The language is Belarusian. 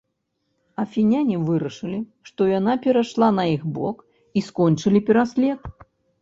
Афіняне вырашылі, што яна перайшла на іх бок, і скончылі пераслед.